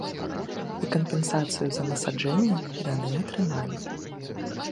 І кампенсацыю за насаджэнні яны атрымалі.